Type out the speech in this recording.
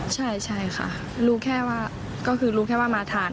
ใช่ค่ะรู้แค่ว่าก็คือรู้แค่ว่ามาทาน